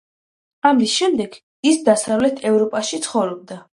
ამის შემდეგ, ის დასავლეთ ევროპაში ცხოვრობდა.